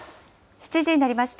７時になりました。